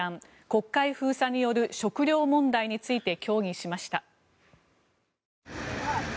黒海封鎖による食料問題について協議しました。